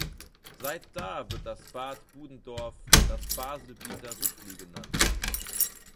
Seit da wird das Bad Bubendorf das "Baselbieter Rütli" genannt.